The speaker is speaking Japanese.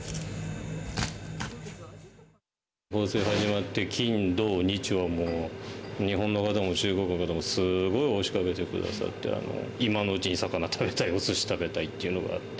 放出が始まって、金、土、日はもう、日本の方も中国の方もすごい押しかけてくださって、今のうちに魚食べたい、おすし食べたいというのがあって。